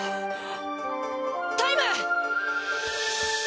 タイム！